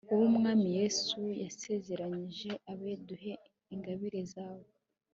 wowe umwami yezu yasezeranije abe, duhe ingabire zawe